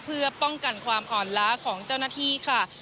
เพื่อป้องกันความอ่อนล้าของเจ้าหน้าที่ค่ะ